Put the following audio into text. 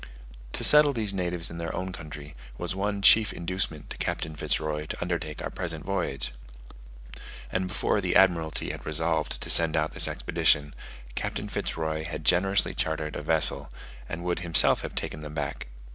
To settle these natives in their own country, was one chief inducement to Captain Fitz Roy to undertake our present voyage; and before the Admiralty had resolved to send out this expedition, Captain Fitz Roy had generously chartered a vessel, and would himself have taken them back.